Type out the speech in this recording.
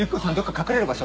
隠れる場所？